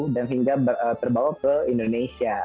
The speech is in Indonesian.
dan sehingga terbawa ke indonesia